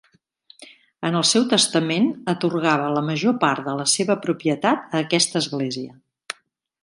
En el seu testament atorgava la major part de la seva propietat a aquesta església.